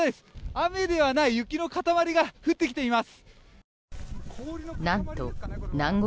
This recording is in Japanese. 雨ではない雪の塊が降ってきています。